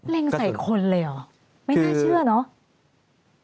เล็งใส่คนเลยเหรอไม่น่าเชื่อเนอะ